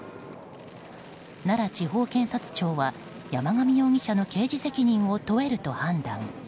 奈良地方検察庁は山上容疑者の刑事責任を問えると判断。